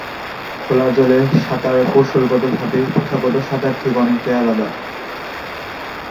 খোলা জলে সাঁতার কৌশলগত ভাবে, প্রথাগত সাঁতারের থেকে অনেকটাই আলাদা।